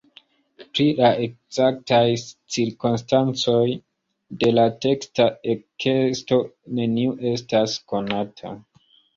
Pri la ekzaktaj cirkonstancoj de la teksta ekesto neniu estas konata.